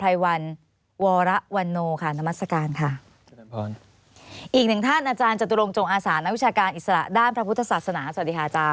อีกหนึ่งท่านอาจารย์จตุลงจงอาสานวิชาการอิสระด้านพระพุทธศาสนาสวัสดีค่ะอาจารย์